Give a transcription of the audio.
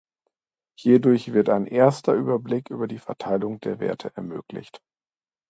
Hierdurch wird ein erster Überblick über die Verteilung der Werte ermöglicht.